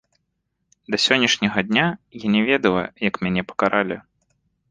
Да сённяшняга дня я не ведала, як мяне пакаралі!